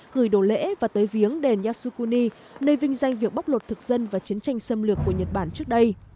gửi đồ lễ và tới viếng đền yasukuni nơi vinh danh việc bóc lột thực dân và chiến tranh xâm lược của nhật bản trước đây